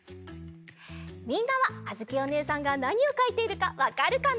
みんなはあづきおねえさんがなにをかいているかわかるかな？